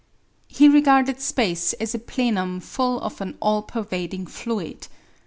He regarded space as a plenum full of an all pervading fluid.